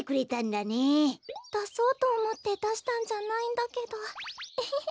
だそうとおもってだしたんじゃないんだけどエヘヘ。